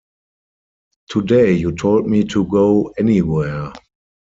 Today you told me to go anywhere.